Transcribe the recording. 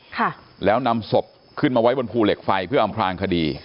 ค่ะแล้วนำศพขึ้นมาไว้บนภูเหล็กไฟเพื่ออำพลางคดี